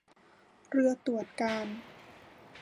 เรือตรวจการณ์